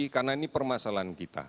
karena ini permasalahan kita